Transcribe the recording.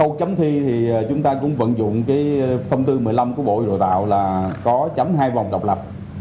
sau chấm thi thì chúng ta cũng vận dụng cái thông tư một mươi năm của bộ đội tạo là có chấm hai vòng độc lập